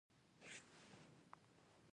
هغه کوټ ته یې له شک سره وکتل.